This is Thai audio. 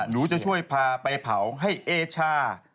หนูจะช่วยพาไปเผาให้เอชา